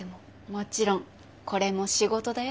もちろんこれも仕事だよ。